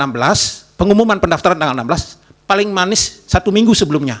karena pengumuman pendaftaran tanggal enam belas paling manis satu minggu sebelumnya